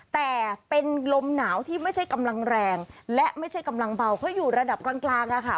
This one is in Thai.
แต่เป็นลมหนาวที่ไม่ใช่กำลังแรงและไม่ใช่กำลังเบาเพราะอยู่ระดับกลางค่ะ